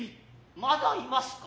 まだ居ますか。